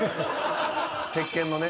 鉄拳のね。